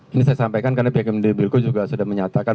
ini saya sampaikan karena pihak indobilco juga sudah menyatakan